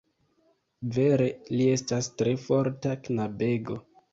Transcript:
Vere li estas tre forta knabego.